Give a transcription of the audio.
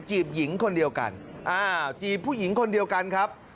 จีบหญิงคนเดียวกันอ้าวจีบผู้หญิงคนเดียวกันครับ